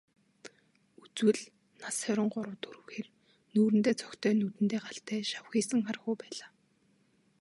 Үзвэл, нас хорин гурав дөрөв хэр, нүүрэндээ цогтой, нүдэндээ галтай, шавхийсэн хархүү байлаа.